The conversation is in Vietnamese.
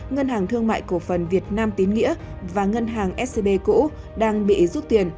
ngân hàng thương mại cổ phần việt nam tín nghĩa và ngân hàng scb cũ đang bị rút tiền